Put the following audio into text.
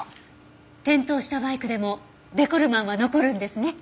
転倒したバイクでもデコルマンは残るんですね？